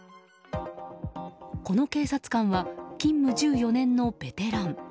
この警察官は勤務１４年のベテラン。